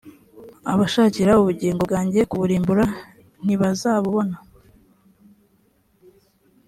abashakira ubugingo bwanjye kuburimbura ntibazabubona.